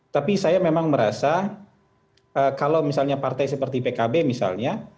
tapi saya memang merasa kalau misalnya partai seperti pkb misalnya